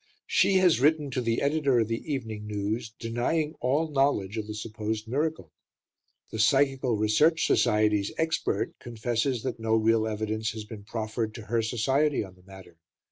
She has written to the Editor of The Evening News denying all knowledge of the supposed miracle. The Psychical Research Society's expert confesses that no real evidence has been proffered to her Society on the matter.